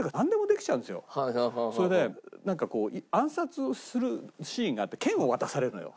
それでなんかこう暗殺するシーンがあって剣を渡されるのよ。